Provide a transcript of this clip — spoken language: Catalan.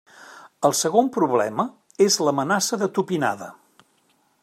El segon problema és l'amenaça de tupinada.